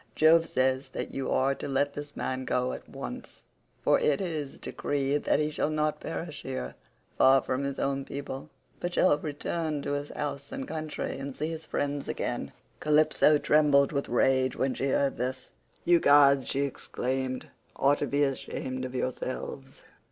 Jove says that you are to let this man go at once, for it is decreed that he shall not perish here, far from his own people, but shall return to his house and country and see his friends again." Calypso trembled with rage when she heard this, "You gods," she exclaimed, "ought to be ashamed of yourselves.